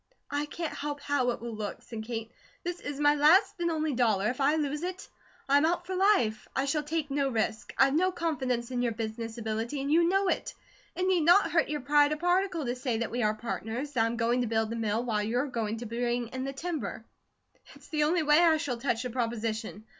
"I can't help how it will look," said Kate. "This is my last and only dollar; if I lose it, I am out for life; I shall take no risk. I've no confidence in your business ability, and you know it. It need not hurt your pride a particle to say that we are partners; that I'm going to build the mill, while you're going to bring in the timber. It's the only way I shall touch the proposition.